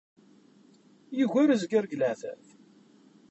Yugar azger deg leɛtab.